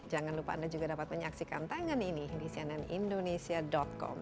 jangan lupa anda juga dapat menyaksikan tangan ini di cnnindonesia com